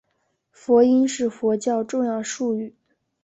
佛音是佛教重要术语。